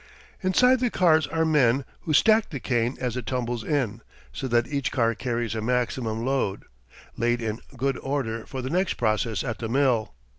Inside the cars are men who stack the cane as it tumbles in, so that each car carries a maximum load, laid in good order for the next process at the mill.